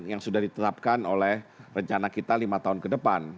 yang sudah ditetapkan oleh rencana kita lima tahun ke depan